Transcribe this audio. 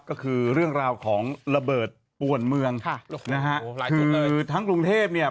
ก็คือเรื่องราวของระเบิดป่วนเมืองค่ะนะฮะโอ้โหหลายจุดเลยคือทั้งกรุงเทพเนี่ย